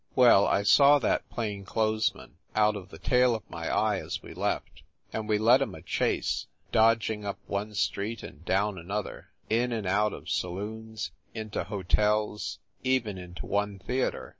Well, I saw that plain clothes man out of the tail of my eye as we left, and we led him a chase, dodg ing up one street and down another, in and out of saloons, into hotels, even into one theater.